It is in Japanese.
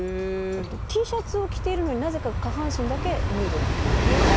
Ｔシャツを着ているのになぜか下半身だけヌードだったり。